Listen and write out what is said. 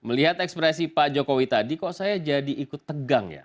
melihat ekspresi pak jokowi tadi kok saya jadi ikut tegang ya